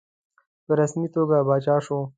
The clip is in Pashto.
په رسمي توګه پاچا شو.